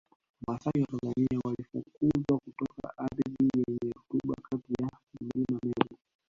Wamasai wa Tanzania walifukuzwa kutoka ardhi yenye rutuba kati ya Mlima Meru